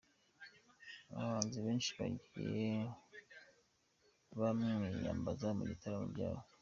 Abahanzi benshi bagiye bamwiyambaza mu bitaramo byabo.